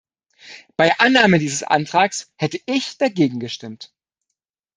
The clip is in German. Bei Annahme dieses Antrags hätte ich dagegen gestimmt.